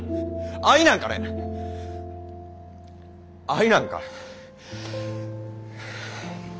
愛なんかね愛なんか。